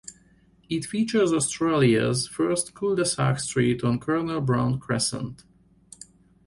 It features Australia's first cul-de-sac street on Colonel Braund Crescent.